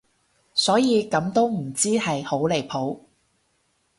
所以咁都唔知係好離譜